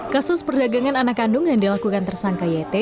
kasus perdagangan anak kandung yang dilakukan tersangka yt